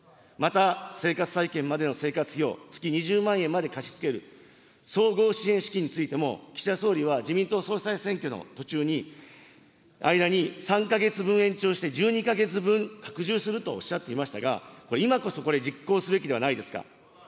また、生活再建までの生活費を月２０万円まで貸し付ける、総合支援資金についても、岸田総理は自民党総裁選挙の途中に、間に、３か月分延長して、１２か月分拡充するとおっしゃっていましたが、これ、今こそこれ、実行すべきではないですか。